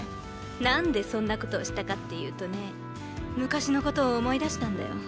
何でそんなことをしたかっていうとね昔のことを思い出したんだよ。